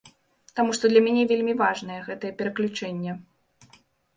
Таму што для мяне вельмі важнае гэтае пераключэнне.